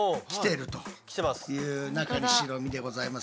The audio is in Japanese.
中に白身でございます。